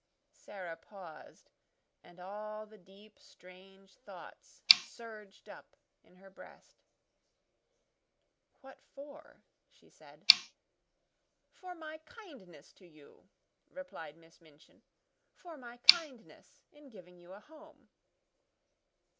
Sara paused, and all the deep, strange thoughts surged up in her breast. "What for?" she said. "For my kindness to you," replied Miss Minchin. "For my kindness in giving you a home."